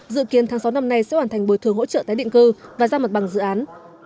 dự kiến tháng sáu năm nay sẽ hoàn thành bồi thường hỗ trợ tái định cư và ra mặt bằng dự án